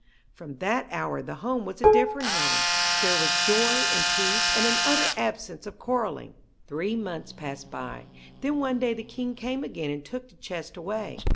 From that hour the home was a different home. There was joy, and peace, and an utter absence of quarreling. Three months passed by. Then one day the king came again and took the chest away.